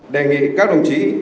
đề nghị các đồng chí